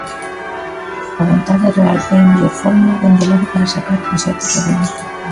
A vontade real é a mellor fórmula, dende logo, para sacar os proxectos adiante.